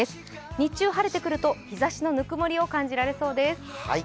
日中晴れてくると日ざしのぬくもりを感じられそうです。